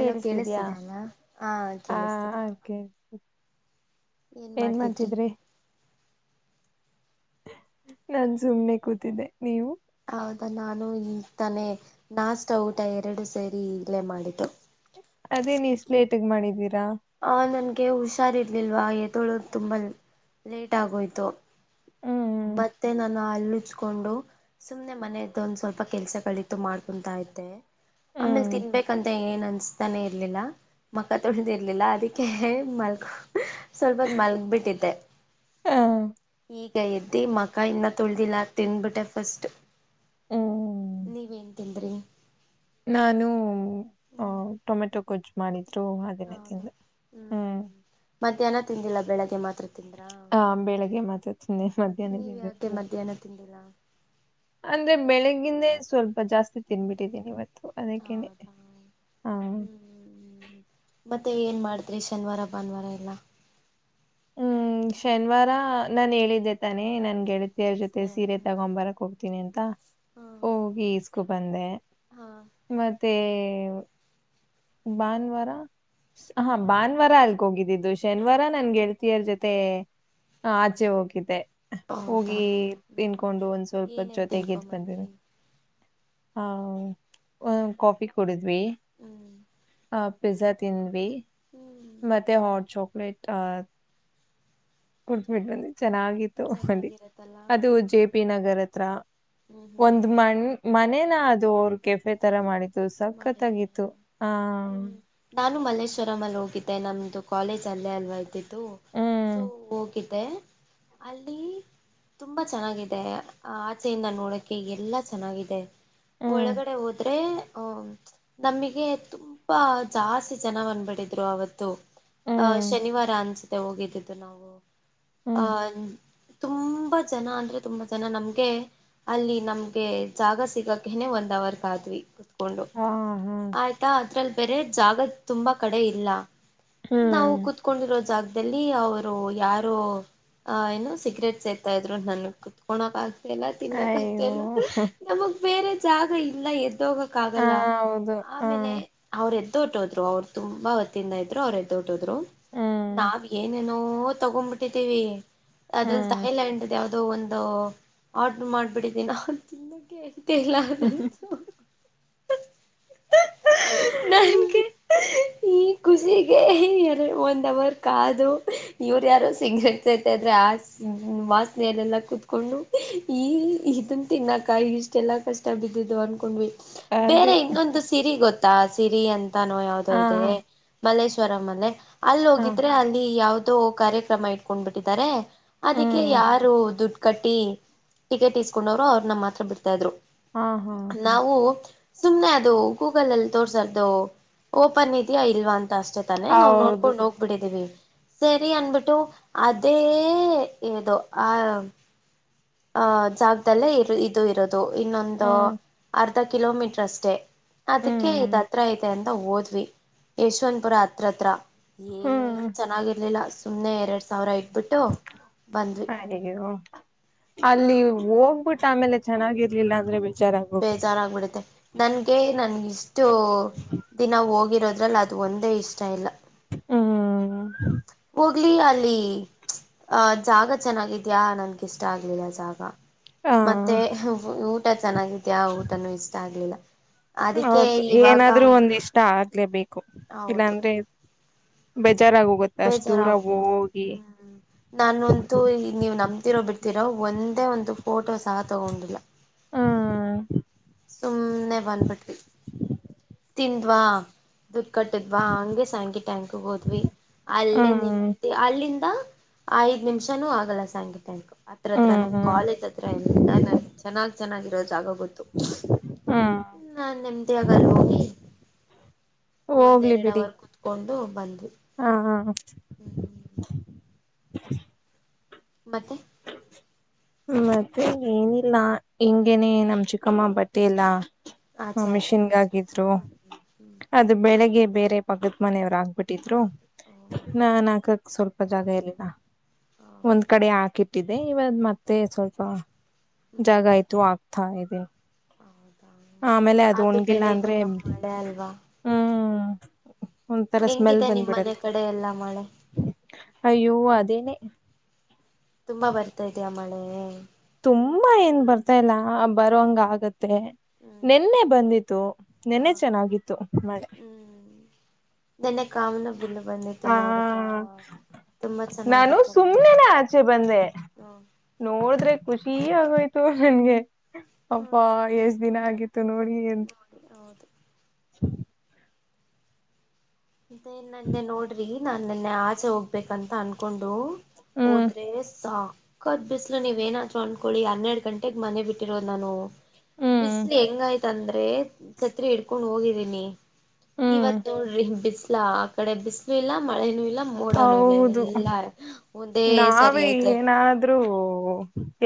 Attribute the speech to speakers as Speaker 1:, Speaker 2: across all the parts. Speaker 1: Hello ಕೇಳಿಸ್ತಿದೆ ಅಲ್ಲ ಹಾ
Speaker 2: ಆ
Speaker 1: ಕೇಳಿಸ್ತಿದೆ
Speaker 2: ಓಕೆ ಏನ್ ಮಾಡ್ತಿದ್ರಿ ನನ್ ಸುಮ್ನೆ ಕೂತಿದ್ದೆ ನೀವು
Speaker 1: ದ ನಾನು ಈ ತಾನೆ ನಾಷ್ಟ ಊಟ ಎರಡು ಸೇರಿ ಇಲ್ಲೇ ಮಾಡಿದ್ದು
Speaker 2: ಅದೇ ನೀ ಸ್ಲೇಟ್ ಮಾಡಿದ್ದೀರಿ
Speaker 1: ಹ ನನ್ಗೆ ಹುಷಾರಿ ಇಲ್ವ ಎ ತಳೋದು ತುಂಬ ಲೇಟ್ ಆಗೋಯ್ತು
Speaker 2: ಹ್ಮ್
Speaker 1: ಮತ್ತೆ ನನ್ನ ಅಲ್ಲಚ್ಕೊಂಡು ಸುಮ್ನೆ ಮನೆಯದ್ದ ಒಂದ್ ಸ್ವಲ್ಪ ಕೆಲ್ಸಗಳಿತ್ತು ಮಾಡ್ಕೊಂಡ ಆಮೇಲೆ
Speaker 2: ಹ್ಮ್
Speaker 1: ತಿನ್ಬೇಕಂತ ಏನ್ ಅನ್ತಾನೆ ಇರ್ಲಿಲ್ಲ ಮಕ್ಕ ತೊ ರ್ಲಿಲ್ಲ ಅದಕ್ಕೆ ಮಲ್ಕ ಸ್ವಲ್ಪದ ಮಲ್ಗ ಬಿಟ್ಟಿದ್ದೆ
Speaker 2: ಹ್ಮ್
Speaker 1: ಈಗ ಎದ್ದಿ ಮಕಾಯಿಂದ ತುಳ್ದಿಲ್ಲ ತಿನ್ಬಿಟ್ಟೆ ಫಸ್ಟ್
Speaker 2: ಹ್ಮ್
Speaker 1: ನೀವೇನ್ ತಿಂದ್ರಿ
Speaker 2: ನಾನು ಅ
Speaker 1: ಹ್ಮ್
Speaker 2: ಟೊಮೆಟೊ ಕೊಜ್ಜು ಮಾಡಿದ್ದ ಹಾಗನದಿಂದ ಹ್ಮ್
Speaker 1: ಮಧ್ಯಾಹ್ನ ತಿಂದಿಲ್ಲಾ ಬೆಳಗ್ಗೆ ಮಾತ್ರ ತಿಂದ್ರಾ
Speaker 2: ಹ ಬೆಳಿಗ್ಗೆ ಮಾತಾತಿಂದೆ
Speaker 1: ನೀವ್
Speaker 2: ಮಧ್ಯಾಹ್ನತ
Speaker 1: ಯಾಕೆ ಮಧ್ಯಾಹ್ನ ತಿಂದಿಲ್ಲ
Speaker 2: ಅಂದ್ರೆ ಬೆಳಿಗ್ಗಿಂದೇ ಸ್ವಲ್ಪ ಜಾಸ್ತಿ ತಿನ್ಬಿಟ್ಟಿದ್ದೀನಿ ಇವತ್ತು ಅದಕ್ಕೇನೆ
Speaker 1: ಹೌದಾ
Speaker 2: ಹಾ
Speaker 1: ಹ್ಮ್ ಮತ್ತೆ ನ್ ಮಾಡಿದ್ರಿ ಶನಿವಾರ ಭಾನುವಾರ ಎಲ್ಲಾ
Speaker 2: ಹ್ಮ್ ಶನಿವಾರ ನಾನನ್ ಹೇಳಿದ್ದೆ ತಾನೆ ನನ್ಗೆ ದೇರ್ ಜೊತೆ ಸೀರೆ ಬರಕ್ ಹೋಗ್ತೀನಿ ಅಂತ
Speaker 1: ಹ್ಮ
Speaker 2: ಹೋಗಿ ಈಸ್ಕೊ ಬಂದೆ ಮತ್ತೆ ಭಾನುವಾರ ಹಾ ಭಾನುವಾರ ಅಲ್ಗ ಹೋಗಿದ್ದಿದ್ದು ಶನಿವಾರ ನನ್ಗೆಳ್ತಿಯರ್ ಜೊತೆ ಹ ಆಚೆ ಹೋಗೋಗಿದ್ದೆ
Speaker 1: ಹೌದಾ
Speaker 2: ಹೋಗಿ
Speaker 1: ಹ್ಮ್ ಹ್ಮ್
Speaker 2: ತಿನ್ಕೊಂಡು ಒಂದ್ ಸ್ವಲ್ಪ
Speaker 1: ಏನೇನ್
Speaker 2: ಜೊತೆಗೆ ಇದ್ ಬಂದೇ
Speaker 1: ತಿನ್ಕೊಂಬಂದ್ರಿ
Speaker 2: ಹಾ ಕಾಫಿ ಕುಡಿದ್ವಿ
Speaker 1: ಹ್ಮ್
Speaker 2: ಪಿಜಜಾ ತಿಂದ್ವಿ
Speaker 1: ಹ್ಮ್
Speaker 2: ಮತ್ತೆ ಹಾಟ್ ಚಾಕ್ಲೇಟ್ ಆ ಕುಡ್ತ್ಬಿಟ್ ಬನ್ನಿ ಚೆನ್ನಾಗಿತ್ತು ಬನ್ನಿ
Speaker 1: ಚೆನ್ನಾಗಿರತ್ತಲ್ಲ
Speaker 2: ಅದು ಜೆ ಪಿ ನಗರ್ ಹತ್ರ
Speaker 1: ಹ್ಮ್ ಹ್ಮ್
Speaker 2: ಒಂದ್
Speaker 1: ಹ್ಮ್
Speaker 2: ಮಣ ಮನೇನ ಅದು ಅವ್ರ ಕೆಫೆ ತರ ಮಾಡ
Speaker 1: ಮಾಡಿದ್ದಾರೆ ಹ್ಮ್ ನಾನು ಮಲ್ಲೇಶ್ವರ ಅಲ್ಲಿ ಹೋಗಿದ್ದೆ ಮ ನಮ್ಮದು ಕಾಲೇಜ್ ಅಲ್ಲೇ ಅಲ್ವ ಇದ್ದತ್ತು ಸೊ
Speaker 2: ಹ್ಮ್
Speaker 1: ಹೋಗಿದ್ದೆ ಅಲ್ಲಿ ತುಂಬಾ ಚೆನ್ನಾಗಿದೆ ಆಚೆಯಿಂದ ನೋಡಕ ಎಲ್ಲಾ ಚೆನ್ನಾಗಿದೆ
Speaker 2: ಹ್ಮ್
Speaker 1: ಒಳಗಡೆ ಹೋದ್ರೆ ಹ ನಮಗೆ ತುಂಬಾ ಜಾಸ್ತಿ ಜನವಂದ್ಬಿಡಿದ್ರು ಅವತ್ತು ಅಹ
Speaker 2: ಹ್ಮ್
Speaker 1: ಶನಿವಾರ ಅನ್ಸುತ್ತೆ ಹೋಗಿದ್ದಿದ್ದು ನಾವು
Speaker 2: ಹ್ಮ್
Speaker 1: ಅಹ ತುಂಬಾ ಜನ ಅಂದ್ರೆ ತುಂಬಾ ಜನ ನಮ್ಗೆ ಅಲ್ಲಿ ನಮ್ಗೆ ಜಾಗ ಸಿಗಕನೆ ಒಂದ್ ಅವರ್ ಕ ಆದ್ವಿ ಕೊಂಡು
Speaker 2: ಹಾ ಹಾ
Speaker 1: ಆಯ್ತಾ ಅದ್ರಲ್ಲಿ ಬೇರೆ ಜಾಗದ ತುಂಬಾ ಕಡೆ ಇಲ್ಲ ನಾವು
Speaker 2: ಹ್ಮ್
Speaker 1: ಕುೂತ್ಕೊಂಡಿರೋ ಜಾಗ ಎಲ್ಲಿ ಅವರು ಯಾರು ಅ ಏನು ಸಿಗರೇಟ್ಸ್ ಸೀತಾ ಇದ್ರು ನನ್ ಕುತ್ಕಳಕ ಆ ಎಲ್ಲ ತಿನ್ನಕತ್ತ
Speaker 2: ಅಯ್ಯೋ
Speaker 1: ಎಲ್ಲ ನಮಗ್ ಬೇರೆ ಜಾಗ ಇಲ್ಲ ಎದ್ದೋಗ
Speaker 2: ಹ
Speaker 1: ಆಗಲ್ಲ
Speaker 2: ಹೌದು ಹ
Speaker 1: ಆಮೇಲೆ ಅವ್ರ ತೋಟೋದ್ರು ಅವ್ರು ತುಂಬಾ ಹೊತ್ತಿಂದ ಇದ್ರು ಅವ್ರೇ ತೋಟೋದ್ರು
Speaker 2: ಹ್ಮ್
Speaker 1: ನಾವ್ ಏನೇನೋ ತಗೊಂಡ್ಬಿಟ್ಟಿದ್ದೀವಿ ಅದ್ರಲ್ಲಿ
Speaker 2: ಹ್ಮ್
Speaker 1: ಥಾಯ್ಲ್ಯಂಡ್್ದ ಯಾವ್ದೋ ಒಂದು ಆಡ್ ಮಾಡ್ಬಿಟ್ಟಿದ್ದೀ ನ ತಿನ್ನಕ್ಕೆ [unintelligible] ನನ್ಗೆ
Speaker 2: ಹ್ಮ
Speaker 1: ಈ
Speaker 2: [inaudible]
Speaker 1: ಖುಷಿಗೆ ಎರಡು ಒಂದ್ ಅವರ್ ಕಾದು ಇವರು ಯಾರೋ ಸಿಂಗ್ರಟ್ಸ್ಐತೆ ಇದ್ರೆ ಆ ವಾಸನೆೆಯಲ್ಲಲ್ಲಾ ಕುೂತ್ಕೊಂಡು ಈ ಇದನ್ನು ತಿನ್ನಕಾಯಿ ಇಷ್ಟೆಲ್ಲಾ ಕಷ್ಟ ಬಿದ್ದು ತವರ್ನ್ಕೊಂಡು ಬೇರೆ
Speaker 2: ಅದೇ
Speaker 1: ಇನ್ನೊಂದು ಸಿರಿ ಗೊತ್ತಾ ಸಿರಿ ಅಂತಾನೋ ಯಾವವು್ದೋ
Speaker 2: ಹ
Speaker 1: ಇದೆ ಮಲ್ಲೇಶ್ವ ್ವರಲ್ಲ ಅಲ್ಲಿ
Speaker 2: ಹ
Speaker 1: ಹೋಗಿದ್ರೆ ಅಲ್ಲಿ ಯಾವ ಕಾರ್ಯಕ್ರಮ ಇಟ್ಕೊಂಡ್ ಬಿಿಟ್ಟಿದ್ದಾರೆ ಅದಕ್ಕೆ
Speaker 2: ಹ್ಮ್
Speaker 1: ಯಾರು ದುಡ್ಡು ಕಟ್ಟಿ ಟಿಕೆಟ್ ಇಸ್ಕೊಂಡವ್ರು ಅವ್ರನ್ನ ಮಾತ್ರ ಬಿಡ್ತಾ ಇದ್ರು
Speaker 2: ಹಾ ಹಾ
Speaker 1: ನಾವು ಸುಮ್ನೆ ಅದು ಗೂಗಲ್ ಅಲ್ಲಿ ತೋರ್ಸಾರ್ದು ಓಪನ್ ಇದೆಯಾ ಇಲ್ವಾಂತ ಅಷ್ಟೇ ತಾನೇ ನಾವವು
Speaker 2: ಹೌದು
Speaker 1: ನೋಡ್ಕೊಂಡು ಹೋಗ್ಬಿಡಿದ್ದೀವಿ ಸರಿ ಅನ್ಬಿಟ್ಟು ಅದೇ ಏದೋ ಆ ಅಹ ಜಾಗದಲ್ಲೇ ಇ ಇದು ಇರೋದು ಇನ್ನೊಂದು
Speaker 2: ಹ್ಮ್
Speaker 1: ಅರ್ ಅರ್ಧ ಕಿಲೋಮೀಟರ್ ಅಷ್ಟೇ ಅದಕ್ಕೆ
Speaker 2: ಹ್ಮ್
Speaker 1: ಇದ ಹತ್ರ ಇದೆ ಅಂತ ಓದ್ವಿ ಯಶವಂತಪುರ ಹತ್ರತ್ರ ಏನ್
Speaker 2: ಹ್ಮ್
Speaker 1: ಚೆನ್ನಾಗಿರ್ಲಿಲ್ಲ ಸುಮ್ನೆ ಎರಡ್ ಸಾವಿರ ಐತು ಬಿಟ್ಟು ಬಂದ್ವಿ
Speaker 2: ಅಯ್ಯೋ ಅಲ್ಲಿ ಹೋಗ್ಬಿಟ್ಟ ಆಮೇಲೆ ಚೆನ್ನಾಗಿರ್ಲಿಲ್ಲ ಅಂದ್ರೆ ಬೇಜಾರಾಗಿ ಹೋಗುತ್ತೆ
Speaker 1: ಬೇಜಾರಾಗಬಿಡುತ್ತೆ ನನ್ಗೆ ನನ್ ಇಷ್ಟು ದಿನ ಹೋಗಿದ ಇರೋದ್ರಲ್ಲಿ ಅದು ಒಂದೇ ಇಷ್ಟ ಇಲ್ಲ ಹೋಗ್ಲಿ ಅಲ್ಲಿ ಅಹ ಜಾಗ ಚೆನ್ನಾಗಿದ್ಯಾ ನನ್ಗೆಿಷ್ಟ ಆಗ್ಲಿಲ್ಲ ಜಾಗ
Speaker 2: ಹ
Speaker 1: ಮತ್ತೆ ಊಟ ಚೆನ್ನಾಗಿದ್ಯಾ ಊಟನುೂ ಇಷ್ಟ ಆಗ್ಲಿಲ್ಲ ಅದಕ್ಕೆ
Speaker 2: ಹೌದು
Speaker 1: ಇವಾಗ
Speaker 2: ಏನಾದ್ರೂ ಒಂದ್ ಇಷ್ಟ ಆಗ್ಲೇಬೇಕು
Speaker 1: ಹೌದು
Speaker 2: ಇಲ್ಲಾಂದ್ರೆ ಬೇಜಾರಾಗ ಹೋಗುತ್ತೆ ಅಷ್ಟು ದೂರ
Speaker 1: ಬೇಜಾರಾಗೋಗುತ್ತೆ
Speaker 2: ಹೋಗಿ
Speaker 1: ಹ್ಮ ನಾನಂತೂ ನೀವು್ ನಮ್ದ ಇತಿರೋ ಬಿಡ್ತಿರೋ ಒಂದೇ ಒಂದು ಫೋಟೋ ಸಹ ತಗೊಂಡಿಲ್ಲ ಸುಮ್ಮ್ನೆ ಬನ್ಬಟ್ಟಿ ತಿನ್ವಾ ದುಡ್ ಕಟ್ಟಿದ್ವಾ ಹಂಗೆ ಸಕಿ ಟ್ಯಾಂಕ್ ಹೋದ್ವಿ ಅಲ್ಲೇ ನಿಂತ ಅಲ್ಲಿಂದ ಐದ್ ನಿಮಿಷನುೂ ಆಗಲ್ಲ ಸಾಯಂಕ ತಂಕು ಹತ್ರ ಹತ್ರ ನಮ್ ಕಾಲೇಜ್ ಹತ್ರ ಎಲ್ಲಾ ನ ಚೆನ್ನಾಗ್ ಚೆನ್ನಾಗಿರೋದು ಆಗ ನಾ ನೆಮ್ಮದಿ ಆಗಲ್ವ
Speaker 2: [inaudible] ಹೋಗ್ಲಿ ಬಿಡಿ
Speaker 1: ಅವರ್ ಕುೂತ್ಕೊಂಡು ಬಂದ್ವಿ
Speaker 2: ಹಾ ಹಾ [inaudible]
Speaker 1: ಹ್ಮ್ ಮತ್ತೆ
Speaker 2: ಮತ್ತೆ ಏನಿಲ್ಲ ಹೆಂಗೇನೆ ನಮ್ ಚಿಕ್ಕಮ್ಮ ಬಟ್ಟೆ ಎಲ್ಲಾ ಹ
Speaker 1: ಆಚೆ ಹಾಕಿದ್ರಂತ
Speaker 2: ಮಿಷಿನ್ಗಗಿದ್ರು
Speaker 1: ಹ್ಮ್ ಹ್ಮ್ ಹ್ಮ್
Speaker 2: ಅದು ಬೆಳಿಗ್ಗೆ ಬೇರೆ ಪಗದ ಮನೆಯವ್ ಆಗ್ ಬಿಿಟ್ಟಿದ್ರು
Speaker 1: ಆಗ್ತಿ
Speaker 2: ನಾ ಹಾಕಕ್ ಸ್ವಲ್ಪ ಜಾಗ ಇಲಿಲ್ಲ ಒಂದ್
Speaker 1: ಹೌದು
Speaker 2: ಕಡೆ ಹಾಕಿತ್ತು ದೆ ಇವಾಗ ಮತ್ತೆ ಸ್ವಲ್ಪ
Speaker 1: ಹ್ಮ್
Speaker 2: ಜಾಗ
Speaker 1: ಹ್ಮ್
Speaker 2: ಆಯ್ತು ಆಗ್ತಾ ಇದೆ
Speaker 1: ಹೌದಾ ಅದು
Speaker 2: ಒಣಗಿಲ್ಲ ಅಂದ್ರೆ
Speaker 1: ಬೇರೆಾಗಮ್ಮ ಮಾಡೆ ಅಲ್ವಾ
Speaker 2: ಹ್ಮ್ ಒಂಥರ ಸ್ಮೆಲ್
Speaker 1: ಹೆಂಗಿದೆ ನಿಮ್ಮ್ ಮನೆ
Speaker 2: ಬಂದ್ಬಿಡತ್ತೆ
Speaker 1: ಕಡೆ ಎಲ್ಲಾ ಮಳೆ
Speaker 2: ಅಯ್ಯೋ ಅದೇನೆ
Speaker 1: ತುಂಬಾ ಬರ್ತಾ ಇದ್ಯಾಾ ಮಳೆ
Speaker 2: ತುಂಬಾ ಏನ್ ಬರ್ತಾಲ್ಲ ಬರುವಂಗ ಆಗತ್ತೆ
Speaker 1: ಹ್ಮ್
Speaker 2: ನೆನ್ನೆ ಬಂದಿತ್ತು ನೆನ್ನೆ ಚೆನ್ನಾಗಿತ್ತು ಮಳೆ
Speaker 1: ನೆನ್ನ ಕಾಮನ ಬಿಲ್ು ಬಂದಿತ್ತುು
Speaker 2: ಆ
Speaker 1: ನೋಡಿದ್ರ ತುಂಬಾ
Speaker 2: ನಾನು
Speaker 1: ಚೆನ್ನಾಗಿತ್ತಲ್ಲ
Speaker 2: ಸುಮ್ನೆನೆ ಆಚೆ ಬಂದೆ
Speaker 1: ಹ
Speaker 2: ನೋಡಿದ್ರೆ ಖುಷಿ ಆಗೋಯ್ತು ನನ್ಗೆ
Speaker 1: ಹ
Speaker 2: ಅಪ್ಪಾ ಎಷ್ಟ್ ದಿನ ಆಗಿತ್ತು ನೋಡಿ
Speaker 1: ನೋಡಿ ಹೌದು ಇದ ನನ್ನೆ ನೋಡ್ರಿ ನಾು ನನ್ನೆ ಆಚೆ ಹೋಗ್ಬೇಕಂತ ಅನ್ಕೊಂಡು
Speaker 2: ಹ್ಮ್
Speaker 1: ಹಓದ್ರೆ ಸಾ ಕದ್ ಬಿಸ್ಲು ನೀವ್ಏನ್ ಅೊಂಡ್ಕೊಳ್ಳಡಿ ಹನ್ನೆರಡು ಗಂಟೆಗೆಗ್ ಮನೆ ಬಿಟ್ಟಿರೋದು ನಾನು
Speaker 2: ಹ್ಮ್
Speaker 1: ಬಿಸಲಿ ಹೆಂಗಯ್ತಂದ್ರೆ ಛತ್ರಿ ಇಡ್ಕೊಂಡ್ ಹೋಗಿದೀನಿ
Speaker 2: ಹ್ಮ್
Speaker 1: ಇವತ್ ನೋಡ್ರಿ ಬಿಸ್ಲಾ ಆ ಕಡೆ ಬಿಸ್ಲು ಇಲ್ಲ ಮಳೆನೂ ಇಲ್ಲ ಮೋಡನೂ ಇಲ್ಲ
Speaker 2: ಹೌದು
Speaker 1: ಎಲ್ಲಾ ಒಂದೇ ಸರಿ
Speaker 2: ನಾವಿ
Speaker 1: ಐತೆ
Speaker 2: ಏನಾದ್ರೂ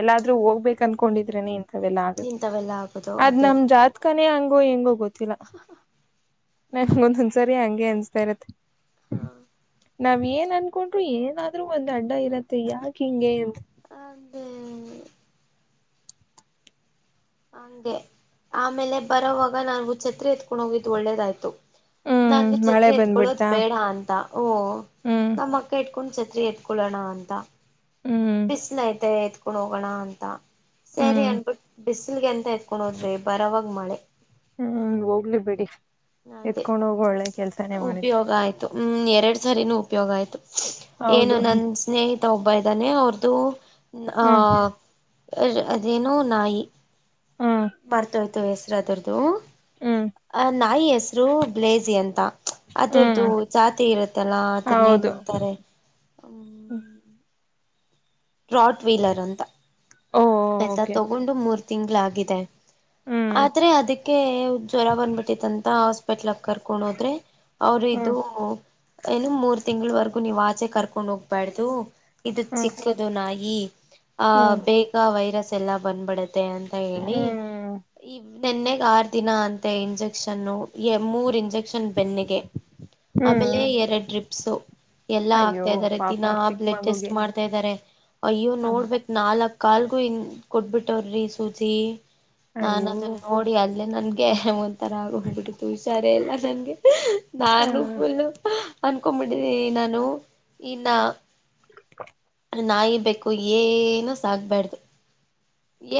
Speaker 2: ಎಲ್ಲಾದ್ರೂ ಹೋಗ್ಬೇಕ ಅನ್ಕೊಂಡಿದ್ರೆ ನೀನ್ ೆಲ್ಲ ಆಗುತ್ತ
Speaker 1: ಇಂಥವೆಲ್ಲ ಆಗೋದು
Speaker 2: ಅದ್
Speaker 1: ಅದೇ
Speaker 2: ನಮ ಜಾತ್ಕನೇ ಹಂಗೋ ಹೆಂಗೋ ಗೊತ್ತಿಲ್ಲ ನಂಗೊಂದ್ ಒಂದ್ಸರಿ ಹಂಗೆ ಅನ್ಿಸತಾ ಇರತ್ತೆ
Speaker 1: ಹಾ
Speaker 2: ನಾವ್ ಏನ್ ಅನ್ಕೊಂಡ್ರು ಏನಾದ್ರು ಒಂದ್ ಅಡ್ಡ ಇರತ್ತೆ ಯಾಕ ಹಿಂಗೆ
Speaker 1: ಅ ಹಂಗೆ ಆಮೇಲೆ ಬರೋವಾಗ ನಾು ಛತ್ರಿ ಎತ್ಕೊಂಡ್ ಹೋಗಿದ್ದು ಒಳ್ಳೇದಾಯ್ತು
Speaker 2: ಹ್ಮ್
Speaker 1: ನಾನು
Speaker 2: ಮಳೆ
Speaker 1: ಚಛತ್ರೆ ಎತ್ಕೊಳ್ಳೋದು
Speaker 2: ಬಂದ್ಬಿಡ್ತಾ
Speaker 1: ಬೇಡ ಅಂತ ಓ
Speaker 2: ಹ್ಮ್
Speaker 1: ನಮ್ಮ ಅಕ್ಕ ಇ ಕುೊಂಡ್ ಛತ್ರಿ ಎತ್ಕೊೊಳ್ಳೋಣ ಅಂತ
Speaker 2: ಹ್ಮ್
Speaker 1: ಬಿಸ್ಲ ಐತೆ ಎತ್ ೊಂಡ ಹೋಗೋಣ ಅಂತ ಸರಿ
Speaker 2: ಹ್ಮ್
Speaker 1: ಅನ್ಬಿಟ್ಟ ಬಿಸಿಲ್ಗೆಂತ ಎಕೊಂಡೋದ್ವಿ ಬರವಾಗ ಮಳೆ
Speaker 2: ಹ್ಮ್ ಹೋಗ್ಲಿ ಬಿಡಿ
Speaker 1: ಅದೇ
Speaker 2: ಎತ್ಕೊಂಡ್ ಹೋಗೋ ಒಳ್ಳೆ ಕೆಲ್ಸಾನೇ ಮಾಡಿದ್ರಿ.
Speaker 1: ಉಪಯೋಗ ಆಯ್ತು ಹ್ಮ್ ಎರಡು ಸರಿನೂ ಉಪಯೋಗ ಆಯ್ತು ಏನು
Speaker 2: ಹೌದು
Speaker 1: ನನ್ ಸ್ನೇಹಿತ ಒಬ್ಬ ಇದಾನೇ ಅವ್ರ್ದು
Speaker 2: ಹ್ಮ್
Speaker 1: ಆಹ ಅದೇನೋ ನಾಯಿ
Speaker 2: ಹ್ಮ್
Speaker 1: ಮರ್ತೋಯ್ತು ಹೆಸರು ಅದುರ್ದು
Speaker 2: ಹ್ಮ್
Speaker 1: ಐ ಹೆಸರು ಬ್ಲೇಜಿ ಅಂತ ಅದ್ರದ್ದು
Speaker 2: ಹ್ಮ್
Speaker 1: ಜಾತಿ ಇರುತ್ತಲ್ಲಾ ಅದನೆನಂತರೆ
Speaker 2: ಹ
Speaker 1: ರಾಟ್ ವೀಲರ್ ಅಂತ
Speaker 2: ಓ
Speaker 1: ಆಯ್ತಾ
Speaker 2: ಓಕೆ
Speaker 1: ತಗೊಂಡು ಮೂರ್ತಿ ತಿಂಗಳ ಆಗಿದೆ
Speaker 2: ಹ್ಮ್
Speaker 1: ಆದ್ರೆ ಅದಕ್ಕೆ ಜ್ವರ ಬಂದ್ಬಿಟ್ಟಿದಂತ ಹಾಸ್ಪಿಟ್ಲ್ ಕರ್ಕೊಂಡ ಹೋದ್ರೆ ಅವ್ರು
Speaker 2: ಹ್ಮ್
Speaker 1: ಇದು ಏನು ಮೂರ್ ತಿಂಗಳವರೆಗು ನೀವ್ ಆಚೆ ಕರ್ಕೊಂಡ್ ಹೋಗ್ಬಾರ್ದು
Speaker 2: ಹ್ಮ್
Speaker 1: ದು ನಾಯಿ ಆಹ
Speaker 2: ಹ್ಮ್
Speaker 1: ಬೇಗ ವೈರಸ್ ಎಲ್ಲಾ ಬಂದ್ಬಿಡ ಅಂತ ಹೇಳಿ
Speaker 2: ಹ್ಮ್
Speaker 1: ಈ ನೆನ್ನಗೆ ಆರು ದಿನ ಅಂತೆ ಇಂಜೆಕ್ಷನ್ನು ಎ ಮೂರು ಇಂಜೆಕ್ಷನ್ ಬೆನ್ನಿಗೆ
Speaker 2: ಹ್ಮ್
Speaker 1: ಆಮೇಲೆ ಎರಡು ಡ್ರಿಪ್ಸು ಎಲ್ಲಾ
Speaker 2: ಅಯ್ಯೋ
Speaker 1: ಆಕ್ತಾ ಇದಾರೆ
Speaker 2: ಪಾಪ
Speaker 1: ದಿನಾ ಆ
Speaker 2: ಚಿಕ್ಕ
Speaker 1: ಬ್ಲಡ್ ಟೆಸ್ಟ್
Speaker 2: ಮಗುಗೆ
Speaker 1: ಮಾಡ್ ಇದರೆ ಅಯ್ಯೋ
Speaker 2: ಹ್ಮ್
Speaker 1: ನೋಡ್ಬೇಕ್ ನಾಲ್ಕ್ ಕಾಲ್ಗು ಇನ್ ಕೊಟ್ಬಿಟ್ಟವ್ರಿ ಸೂಜಿ ನಾನ್
Speaker 2: ಅಯ್ಯೋ
Speaker 1: ಅದನ್ನ ನೋಡಿ ಅಲ್ಲೇ ನನ್ಗೆ ಒಂಥರ ಆಗೋಗ್ಬಿಟ್ಟಿದ್ದು ಹುಷಾರೆ ಇಲ್ಲ ನನ್ಗೆ ನಾನು
Speaker 2: ಹ್ಮ್
Speaker 1: ಫುಲ್ಲ ಅನ್ಕೊ್ಬಿಟ್ಟಿದ್ದನಿ ನಾನು ಇನ್ನ
Speaker 2: [inaudible]
Speaker 1: ನಾಯಿ ಬೆಕ್ಕು ಏನೂ ಸಾಕ್ಬರ್ದು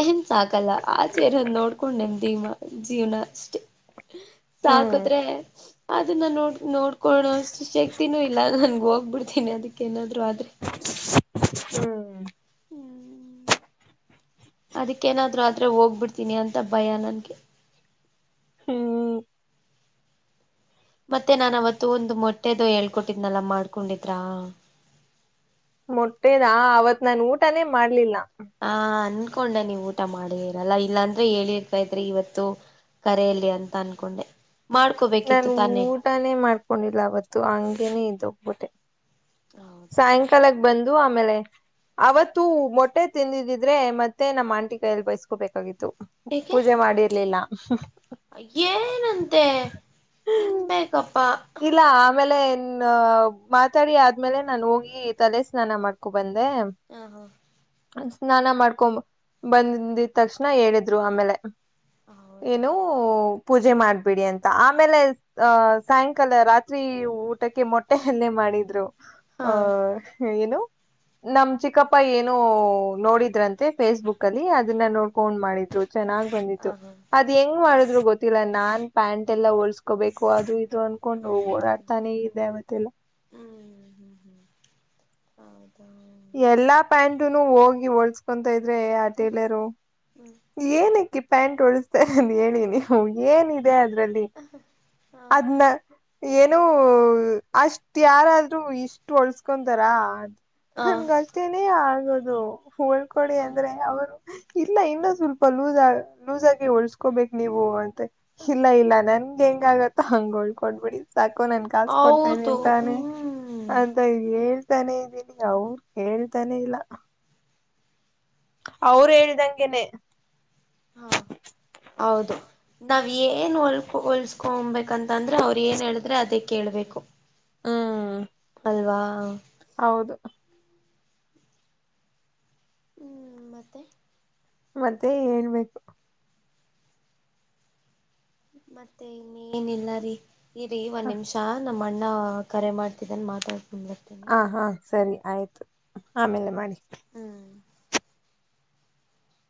Speaker 1: ಏನ್ ಸಾಕಲ್ಲ ಆಚೆರೋದ್ ನೋಡ್ಕೊಂಡ್ ನೆಮ್ಮದಿ ಜೀವ್ನ ಅಸ್
Speaker 2: ಹ್ಮ್
Speaker 1: ಸಾಕದ್ರೆ ಅದನ್ನ ನೋಡ್ ನೋಡ್ ಕೊಡೋಷ್ಟು ಶಕ್ತಿನೂ ಇಲ್ಲ ನನ್ಗ ಹೋಗ್ಬಿಡ್ತೀನಿ ಅದಕ್ಕೇನಾದ್ರು ಆದ್ರೆ
Speaker 2: ಹ್ಮ್ [unintelligible]
Speaker 1: ಅದಕ್ಕೇನಾದ್ರು ಆದ್ರೆ ಹೋಗ್ಬಿಡ್ತೀನಿ ಅಂತ ಭಯ ನನ್ಗೆ
Speaker 2: ಹ್ಮ್
Speaker 1: ಮತ್ತೆ ನಾನು ಅವತ್ತು ಒಂದು ಮೊಟ್ಟೆದು ಹೇಳ್ಕೊಟ್ಟಿದ್ನಲ್ಲ ಅದನ್ನ ಮಾಡ್ಕೊಂಡಿದ್ರ
Speaker 2: ಮೊಟ್ಟೆದ ಅವತ್ ನಾನು ಊಟಾನೇ ಮಾಡ್ಲಿಲ್ಲ
Speaker 1: ಹ ಅನ್ಕೊಂಡ ನೀವ್ ಊಟ ಮಾಡಿರಲ್ಲ ಇಲ್ಲಾಂದ್ರೆ ಹೇಳಿರ್ತ ಇದ್ರ ಇವತ್ತು ಕರೆಯಲ್ಲಿ ಅಂತ ಅನ್ಕೊಂಡೆ ಮಾಡ್ಕೋಬೇಕಿತ್ತು
Speaker 2: ನಾನು
Speaker 1: ತಾನೇ
Speaker 2: ಊಟಾನೇ ಮಾಡ್ಕೊಂಡಿಲ್ಲ ಅವತ್ತು ಹಂಗೇನೆೇ ಇದ್ದೋಗ್ಬೋಟೆ
Speaker 1: ಹೌದಾ
Speaker 2: ಸಾಯಂಕಾಲಕ್ಕೆ ಬಂದು ಆಮೇಲೆ ಅವತ್ತು ಮೊಟ್ಟೆ ತಿಂದಿದಿದ್ರೆ ಮತ್ತೆ ನಮ್ಮ ಆಂಟಿ ಕೈಯಲ್ಲಿ ಬಯಸ್ಕೋಬೇಕಾಗಿತ್ತು ಪೂಜೆ ಮಾಡಿರ್ಲಿಲ್ಲ
Speaker 1: ಅಯ್ಯಏನಂತೆ ತಿನ್ಬೇಕಪ್ಪಾ
Speaker 2: ಇಲ್ಲ ಆಮೇಲೆನ್ ಮಾತಾಡಿ ಆದ್ಮೇಲೆ ನಾನು ಹೋಗಿ ತಲೆ ಸ್ನಾನ ಮಾಡ್ಕೊ ಬಂದ
Speaker 1: ಹ ಹಾ
Speaker 2: ಸ್ನಾನ ಮಾಡ್ಕೊ ಬಂದಂದಿದ ತಕ್ಷಣ ಹೇಳಿದ್ರು ಆಮೇಲೆ
Speaker 1: ಹೌದಾ
Speaker 2: ಏನು ಪೂಜೆ ಮಾಡ್ಬಿಡಿ ಅಂತ ಆಮೇಲೆ ಅಹ ಸಾಯಂಕಾಲ ರಾತ್ರಿ ಊಟಕ್ಕೆ ಮೊಟ್ಟೆ ಅಲ್ಲೆ ಮಾಡಿದ್ರು
Speaker 1: ಹಾ
Speaker 2: ಆಹ ಏನು [inaudible] ನಮ್ ಚಿಕ್ಕಪ್ಪ ಏನು ನೋಡಿದ್ರಂತೆ ಫೇಸ್ಬುಕ್ ಅಲ್ಲಿ ಅದನ್ನ ನೋಡ್ಕೊಂಡ್ ಮಾಡಿದ್ರು ಚೆನ್ನಾಗ್ ಬಂದಿತ್ತು
Speaker 1: ಹ ಹಾ
Speaker 2: ಅದ್ ಹೆಂಗ್
Speaker 1: ಹೌದಾ
Speaker 2: ಮಾಡಿದ್ರು ಗೊತ್ತಿಲ್ಲ ನಾನ್ ಪ್ಯಾಂಟ್ ಎಲ್ಲ ಹೊಲ್ಸ್ಕೋಬೇಕು ಅದು ಇದು ಅನ್ಕೊಂಡು
Speaker 1: ಹ್ಮ್ ಹ್ಮ್
Speaker 2: ಓಡಾಡ್ತಾನೆ ಇದೆ ಅವತ್ತೆಲ್ಲ
Speaker 1: ಹ್ಮ್ ಹ್ಮ್ ಹ್ಮ ಹೌದ
Speaker 2: ಎಲ್ಲಾ ಪ್ಯಾಂಟನು ಹೋಗಿ ಹೊಲ್ಸ್ಕತಿದ್ರೆ ಇದ್ರೆ ಆ ಟೇಲರು
Speaker 1: ಹ್ಮ್
Speaker 2: ಏನಕ್ಕಿ ಪ್ಯಾಂಟ್ ಉಳಸ್ತಾರೆ ಅಂತ ಹೇಳಿ ನೀವು ಏನಿದೆ ಅದ್ರಲ್ಲಿ
Speaker 1: ಹಾ
Speaker 2: ಅದನ್ನ ಏನೋ ಅಷ್ಟ ಯಾರಾದ್ರೂ ಇಷ್ಟು ಹೊಳ್ಸ್ಕೊಂತಾರಾ ನನ್
Speaker 1: ಹಾ
Speaker 2: ಅಳತೆ ನೆ ಆಗೋದು ಹಾಲ್ಕೊಡಿ ಅಂದ್ರೆ ಅವರು ಇಲ್ಲ ಇನ್ನೂ ಸ್ವಲ್ಪ ಲೂಸ್ ಲೂಸ್ ಆಗಿ ಹೊಳ್ಸ್ಕೋಬೇಕ್ ನೀವು ಅ ಇಲ್ಲ ಇಲ್ಲ ನನ್ಗೆ ಹೆಂಗ ಆಗತ್ತ ಹಂಗೋಳ್ಕೊಡ್ಬಿಡ ಸಾಕು ನನ್ ಕಾಸ ಕೊಡ್ತಾ
Speaker 1: ಹೌದು
Speaker 2: ಇದನಿಂತಾನೆ
Speaker 1: ಹ್ಮ್
Speaker 2: ಅಂತ ಇದ ತಾನೇ ಇದ್ದೀನಿ ಅವರು ಕೇಳ್ತಾನೆ ಇಲ್ಲ ಅವರು ಹೇಳ್ದಂಗೆನೆ
Speaker 1: ಹಾ ಹೌದು ನಾವ್ ಏನ್ ಹೊಲ್ಕೊ ಹೊಲ್ಸ್ಕೊಬೇಕಂತ ಅಂದ್ರೆ ಅವ್ರರು ಏನ್ ಹೇಳಿದ್ರೆ ಅದೇ ಕೇಳ್ಬೇಕು
Speaker 2: ಹಾ
Speaker 1: ಹಲ್ವಾ
Speaker 2: ಹೌದು
Speaker 1: ಮತ್ತೆ
Speaker 2: ಮತ್ತೆ ಏನ್ಬೇಕು
Speaker 1: ಮತ್ತೆ ಏನಿಲ್ಲ ರೀ ಇರಿಒಂದ್ ನಿಮಿಷ ನಮ್ಮ್ಣ ನ ಕರೆ ಮಾಡ್ತಿದ್ದನ್ ಮಾತಾಡ್
Speaker 2: ಹ ಹಾ ಸರಿ ಆಯ್ತು ಆಮೇಲೆ ಮಾಡಿ
Speaker 1: ಹ್ಮ್